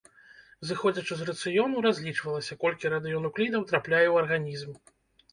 Зыходзячы з рацыёну, разлічвалася, колькі радыенуклідаў трапляе ў арганізм.